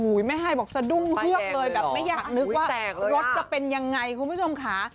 แม่ฮายบอกสะดุ้งเฮือกเลยแบบไม่อยากนึกว่ารถจะเป็นยังไงคุณผู้ชมค่ะ